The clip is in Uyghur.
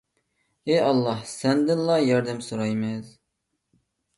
ئى ئاللاھ سەندىنلا ياردەم سورايمىز